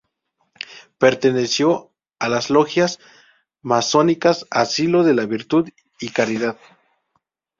Perteneció a las logias masónicas "Asilo de la virtud" y "Caridad".